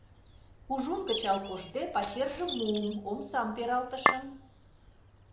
Кужун кычал коштде пачержым муым, омсам пералтышым.